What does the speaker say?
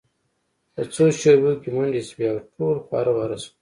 په څو شیبو کې منډې شوې او ټول خواره واره شول